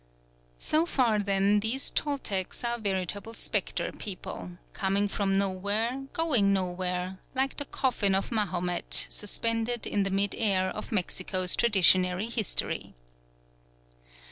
So far then these Toltecs are veritable spectre people, coming from nowhere, going nowhere; like the coffin of Mahomet, suspended in the mid air of Mexico's traditionary history.